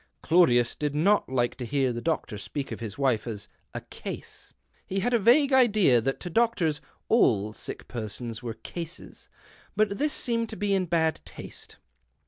Claudius did not like to hear the doctor speak of his wife as a " case." He had a vague idea that to doctors all sick persons were cases, but this seemed to be in bad taste.